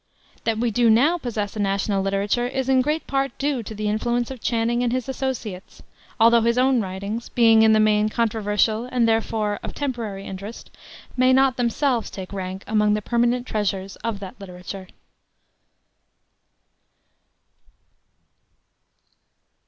That we do now possess a national literature is in great part due to the influence of Channing and his associates, although his own writings, being in the main controversial and, therefore, of temporary interest, may not themselves take rank among the permanent treasures of that literature.